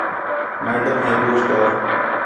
میڈم ہے ٻُجھ کر